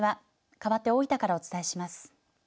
かわって大分からお伝えします。